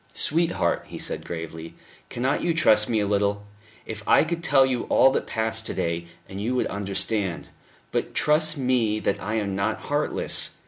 "Sweetheart," he said gravely, "cannot you trust me a little? If I could tell you all that passed to day, you would understand. But trust me that I am not heartless.